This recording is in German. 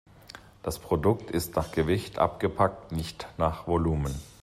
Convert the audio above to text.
Das Produkt ist nach Gewicht abgepackt, nicht nach Volumen.